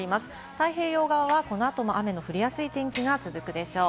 太平洋側は、この後も雨が降りやすい天気が続くでしょう。